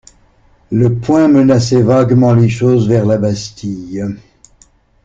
Le poing menaçait vaguement les choses vers la Bastille.